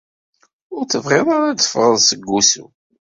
Ur tebɣi ara ad d-teffeɣ seg wusu.